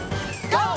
ＧＯ！